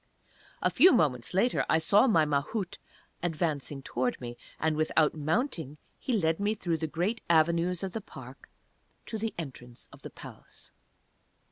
A few moments later I saw my Mahout advancing towards me, and, without mounting, he led me through the great avenues of the park to the Entrance of the Palace.